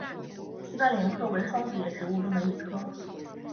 西番莲科为双子叶植物中的一科。